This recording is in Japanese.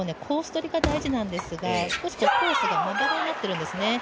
取りが大事ですが少し、コースがまだらになっているんですね。